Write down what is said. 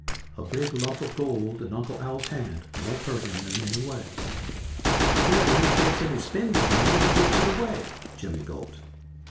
A big lump of gold in Uncle Al's hand won't hurt him in any way." "Whenever he gets any spending money he gives it away!" Jimmy gulped.